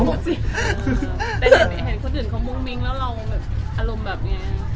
แต่ฟื้นเดิมสูบแต่กลัวลุยยย